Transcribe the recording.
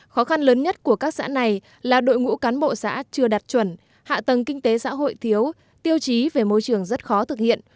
khó khăn lớn nhất của các xã này là đội ngũ cán bộ xã chưa đạt chuẩn hạ tầng kinh tế xã hội thiếu tiêu chí về môi trường rất khó thực hiện